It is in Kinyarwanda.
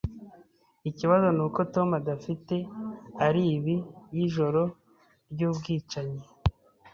Ikibazo nuko Tom adafite alibi yijoro ryubwicanyi.